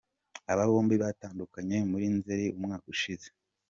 Aba bombi batandukanye muri Nzeri umwaka ushize.